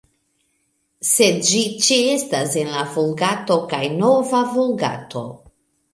Sed ĝi ĉeestas en la Vulgato kaj Nova Vulgato.